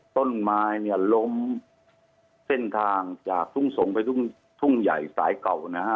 ต้นไม้เนี่ยล้มเส้นทางจากทุ่งสงศ์ไปทุ่งทุ่งใหญ่สายเก่านะฮะ